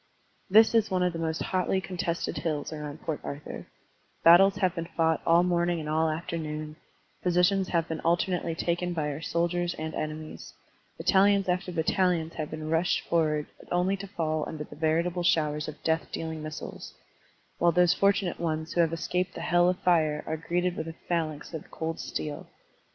This is one of the most hotly contested hills around Port Arthur. Battles have been fought Digitized by Google 206 SERMONS OP A BUDDHIST ABBOT all morning and all afternoon, positions have been alternately taken by our soldiers and enemies. Battalions after battalions have been rushed forward only to fall under the veritable showers of death dealing missiles, while those fortimate ones who have escaped the hell of fire are greeted with a phalanx of cold steel.